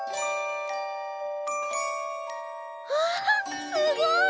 あすごい！